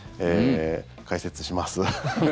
解説します。